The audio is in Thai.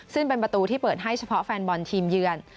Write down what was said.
ซึ่งเป็นประตูที่เปิดให้เฉพาะแฟนบอลทีมเยือน